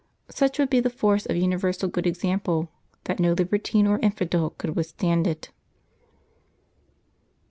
Such would be the force of universal good example, that no libertine or infidel could withstand it.